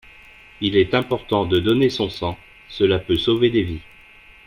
Il est important de donner son sang, cela peut sauver des vies.